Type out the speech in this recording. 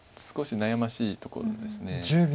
少し悩ましいところです。